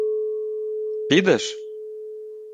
— Підеш?